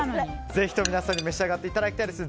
ぜひとも皆さんに召し上がっていただきたいです。